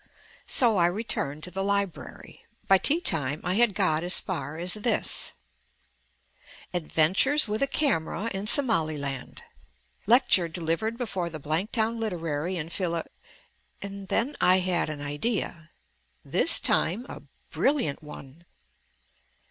So I returned to the library. By tea time I had got as far as this: "ADVENTURES WITH A CAMERA IN SOMALILAND "Lecture delivered before the Blanktown Literary and Philo " And then I had an idea. This time a brilliant one.